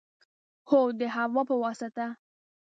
هو، د هوا په واسطه